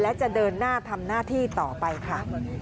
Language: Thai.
และจะเดินหน้าทำหน้าที่ต่อไปค่ะ